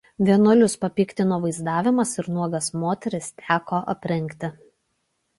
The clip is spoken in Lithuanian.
Vienuolius papiktino vaizdavimas ir nuogas moteris teko „aprengti“.